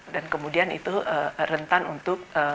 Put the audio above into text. dan kemudian itu rentan untuk